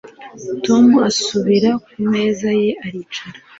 Tom asubira ku meza ye aricara